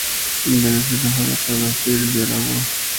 En Venezuela juega para los Tigres de Aragua.